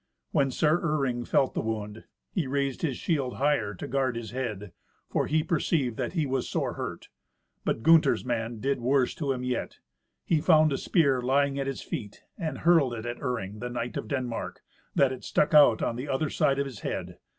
When Sir Iring felt the wound, he raised his shield higher to guard his head, for he perceived that he was sore hurt. But Gunther's man did worse to him yet. He found a spear lying at his feet, and hurled it at Iring, the knight of Denmark, that it stuck out on the other side of his head.